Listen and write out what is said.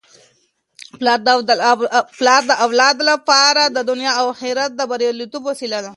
پلار د اولاد لپاره د دنیا او اخرت د بریالیتوب وسیله ده.